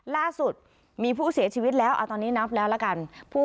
ล่าสุดมีผู้เสียชีวิตแล้วตอนนี้นับแล้วละกัน